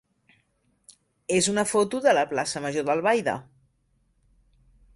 és una foto de la plaça major d'Albaida.